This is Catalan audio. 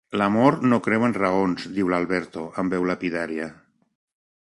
L'amor no creu en raons –diu l'Alberto, amb veu lapidària.